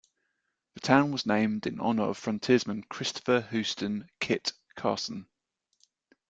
The town was named in honor of frontiersman Christopher Houston "Kit" Carson.